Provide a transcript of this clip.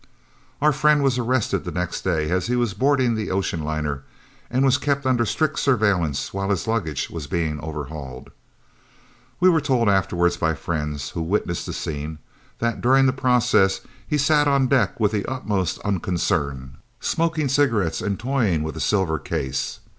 Our friend was arrested the next day as he was boarding the ocean liner, and was kept under strict surveillance while his luggage was being overhauled. We were told afterwards by friends who witnessed the scene that, during the process, he sat on deck with the utmost unconcern, smoking cigarettes and toying with a silver case!